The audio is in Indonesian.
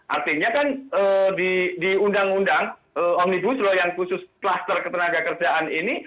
artinya kan di undang undang omnibus law yang khusus kluster ketenaga kerjaan ini